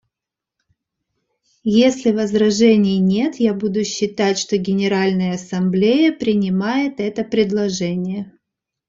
Если возражений нет, я буду считать, что Генеральная Ассамблея принимает это предложение.